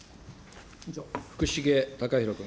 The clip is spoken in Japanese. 福重隆浩君。